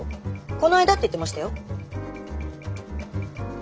「この間」って言ってましたよ。